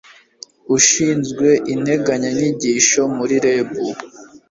ushinzwe Integanyanyigisho muri REB